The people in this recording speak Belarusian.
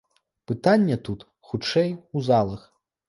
Пытанне тут, хутчэй, у залах.